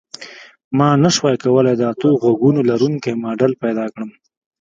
ما نشوای کولی د اتو غوږونو لرونکی ماډل پیدا کړم